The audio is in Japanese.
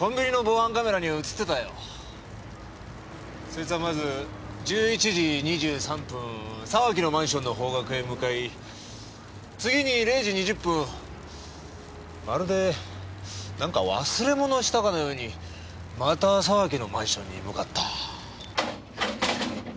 そいつはまず１１時２３分沢木のマンションの方角へ向かい次に０時２０分まるでなんか忘れ物したかのようにまた沢木のマンションに向かった。